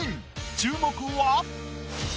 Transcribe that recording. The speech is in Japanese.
注目は。